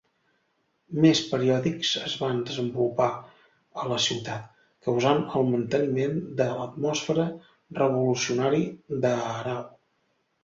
Més periòdics es van desenvolupar a la ciutat, causant el manteniment de l'atmosfera revolucionària d'Aarau.